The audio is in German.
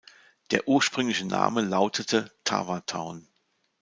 Der ursprüngliche Name lautete "Tawa Town".